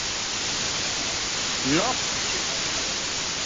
nokte